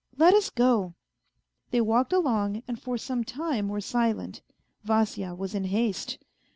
Let us go !" They walked along and for some time were silent. Vasya was in haste.